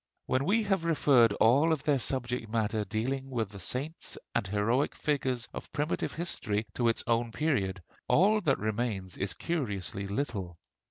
When we have referred all of their subject matter dealing with the saints and heroic figures of primitive history to its own period, all that remains is curiously little.